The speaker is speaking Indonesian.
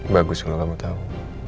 bagus kalau kamu tau